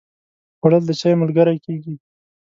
خوړل د چای ملګری کېږي